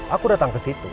aku datang kesitu